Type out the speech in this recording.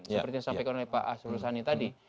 seperti yang disampaikan oleh pak asrul sani tadi